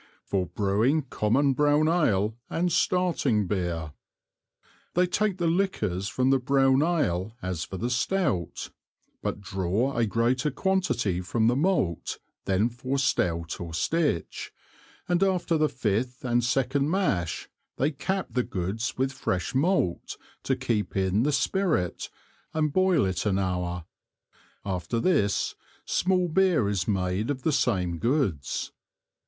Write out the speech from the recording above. For Brewing common brown Ale and Starting Beer. They take the Liquors from the brown Ale as for the Stout, but draw a greater Quantity from the Malt, than for Stout or Stitch, and after the fifth and second Mash they Cap the Goods with fresh Malt to keep in the Spirit and Boil it an Hour; after this, small Beer is made of the same Goods.